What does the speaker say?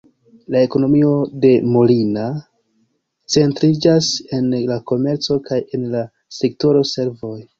La ekonomio de Molina centriĝas en la komerco kaj en la sektoro servoj.